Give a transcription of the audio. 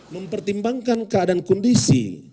mempertimbangkan keadaan kondisi